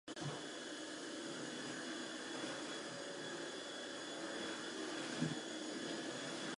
After the war ended, the formerly pastoral neighborhood was developed with brownstones.